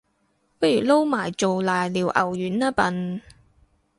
不如撈埋做瀨尿牛丸吖笨